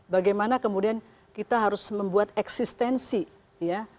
bagaimana kemudian kita harus membuat eksistensi ya